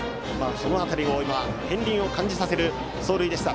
その辺りの片りんを感じさせる走塁でした。